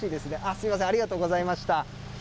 すみません、ありがとうございました。